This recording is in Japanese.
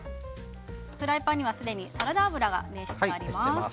フライパンにはすでにサラダ油が熱してあります。